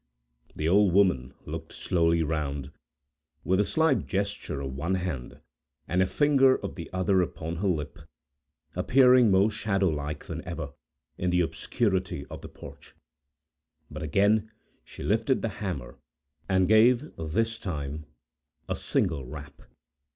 The Old Maid looked slowly round, with a slight gesture of one hand, and a finger of the other upon her lip, appearing more shadow like than ever, in the obscurity of the porch. But again she lifted the hammer, and gave, this time, a single rap.